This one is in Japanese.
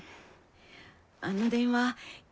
あの電話